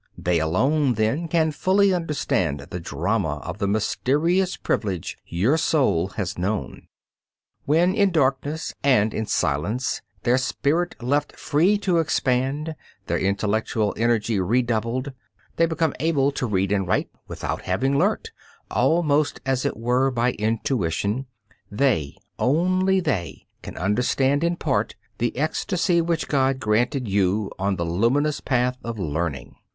They alone, then, can fully understand the drama of the mysterious privilege your soul has known. When, in darkness and in silence, their spirit left free to expand, their intellectual energy redoubled, they become able to read and write without having learnt, almost as it were by intuition, they, only they, can understand in part the ecstasy which God granted you on the luminous path of learning.